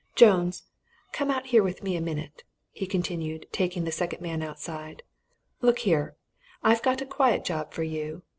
Jones come out here with me a minute," he continued, taking the second man outside. "Look here I've a quiet job for you.